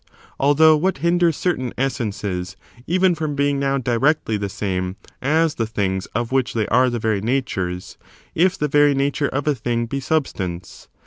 Although what hinders certain essences even from being now directly the same as the things of which they are the very natures, if the very nature of a thing be substance?